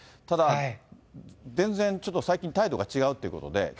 ただ全然ちょっと最近、態度が違うっていうことで。